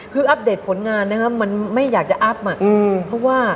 คืออัปเดตผลงานมันไม่อยากจะอับมาเพราะว่า